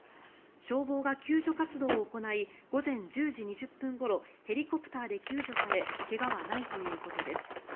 消防が救助活動を行い午前１０時２０分ごろヘリコプターで救助され怪我はないということです。